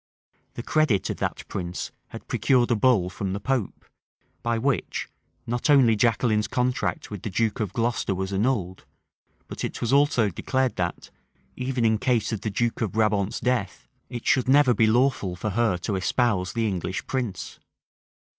The credit of that prince had procured a bull from the pope; by which not only Jaqueline's contract with the duke of Glocester was annulled, but it was also declared that, even in case of the duke of Brabant's death, it should never be lawful for her to espouse the English prince.